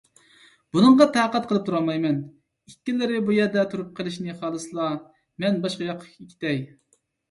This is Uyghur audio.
بۇنىڭغا تاقەت قىلىپ تۇرالمايمەن، ئىككىلىرى بۇ يەردە تۇرۇپ قېلىشنى خالىسىلا، مەن باشقا ياققا كېتەي!